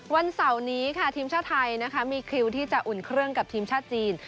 วันเสาร์นี้ค่ะทีมชาติไทยนะคะมีคิวที่จะอุ่นเครื่องกับทีมชาติจีน